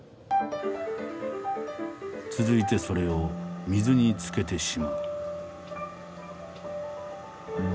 続いてそれを水につけてしまう。